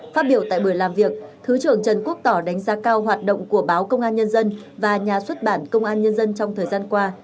phát biểu tại buổi làm việc thứ trưởng trần quốc tỏ đánh giá cao hoạt động của báo công an nhân dân và nhà xuất bản công an nhân dân trong thời gian qua